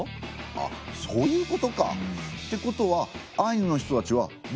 あっそういうことか。ってことはアイヌの人たちは貢物をしてたんですね。